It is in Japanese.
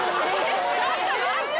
ちょっと待って。